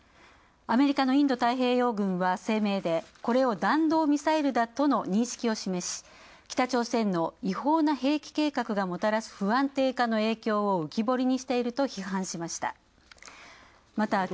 アメリカのインド太平洋軍は声明でこれを弾道ミサイルだとの認識を示し、不安定化の影響を浮き彫りにしていると批判しました。